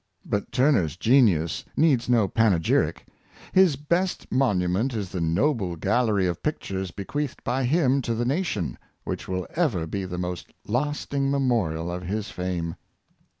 '' But Turner's genius needs no panegyric; his best monument is the noble gallery of pictures be queathed by him to the nation, which will ever be the most lasting memorial of his fame.